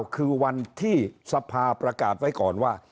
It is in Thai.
คือวันที่สภาประกาศไว้ก่อนว่า